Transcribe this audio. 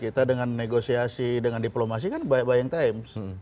kita dengan negosiasi dengan diplomasi kan buy and time